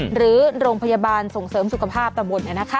หรือโรงพยาบาลส่งเสริมสุขภาพตำบล